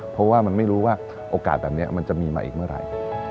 เพราะว่ามันไม่รู้ว่าโอกาสแบบนี้มันจะมีมาอีกเมื่อไหร่